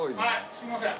すいません。